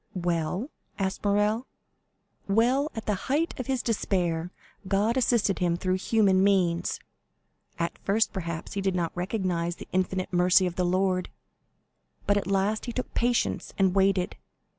"Well?" asked Morrel. "Well, at the height of his despair God assisted him through human means. At first, perhaps, he did not recognize the infinite mercy of the Lord, but at last he took patience and waited.